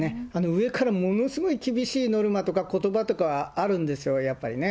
上からものすごい厳しいノルマとか、ことばとかはあるんですよ、やっぱりね。